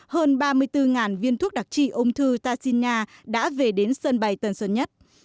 hơn ba mươi bốn viên thuốc đặc trị ôm thư ta xin nhà đã về đến sân bay tân sơn nhất